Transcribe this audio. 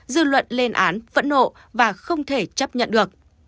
dư luận lên án phẫn nộ và không thể chấp nhận được